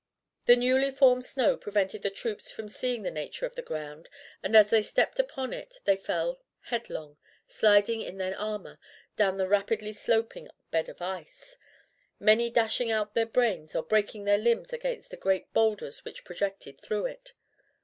The newly formed snow prevented the troops from seeing the nature of the ground, and as they stepped upon it they fell headlong, sliding in their armour down the rapidly sloping bed of ice, many dashing out their brains or breaking their limbs against the great boulders which projected through it.